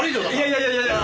いやいやいやいや！